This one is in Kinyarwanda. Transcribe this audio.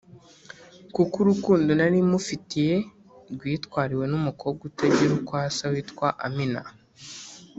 kuko urukundo nari mufitiye rwitwariwe n’umukobwa utagira uko asa witwa Amina